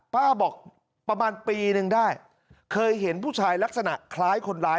ป้าบอกประมาณปีนึงได้เคยเห็นผู้ชายลักษณะคล้ายคนร้าย